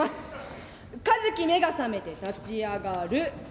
和翔目が覚めて立ち上がる。